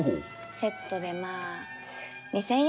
セットでまあ２，０００円。